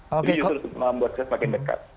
jadi justru membuat kita semakin dekat